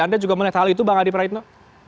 anda juga melihat hal itu bang adi praitno